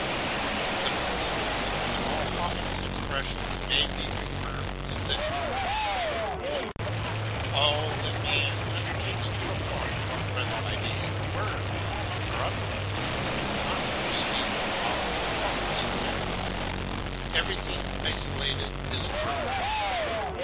The principle to which all Hamann's expressions may be referred is this: ' All that man undertakes to perform, whether by deed, by word, or otherwise, must proceed from all his powers united : every thing isolated is worthless.